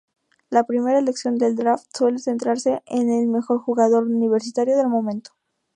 La primera elección del Draft suele centrarse en el mejor jugador universitario del momento.